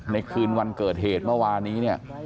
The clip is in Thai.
ในคืนวันเกิดเหตุเมื่อวานี้